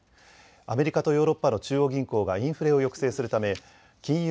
アメリカとヨーロッパの中央銀行がインフレを抑制するため金融